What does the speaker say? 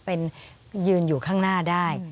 เป็นยืนอยู่ข้างหน้าได้